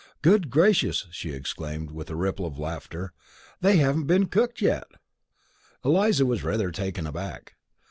"Good gracious," she exclaimed, with a ripple of laughter. "They haven't been cooked yet!" Eliza was rather taken aback.